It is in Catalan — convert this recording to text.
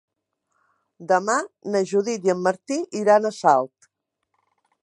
Demà na Judit i en Martí iran a Salt.